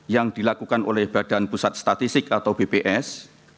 yang dilakukan oleh badan pusat statistik atau bps